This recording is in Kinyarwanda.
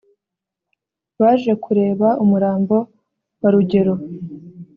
baje kureba umurambo wa rugero.